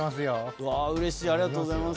うわー、うれしい、ありがとうございます。